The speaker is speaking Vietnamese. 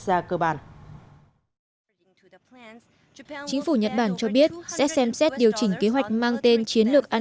gia cơ bản chính phủ nhật bản cho biết sẽ xem xét điều chỉnh kế hoạch mang tên chiến lược an